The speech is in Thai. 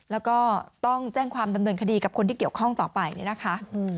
แล้วก็ต้องแจ้งความดำเนินคดีกับคนที่เกี่ยวข้องต่อไปเนี่ยนะคะ